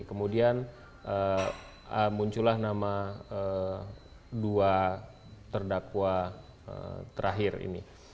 kemudian muncullah nama dua terdakwa terakhir ini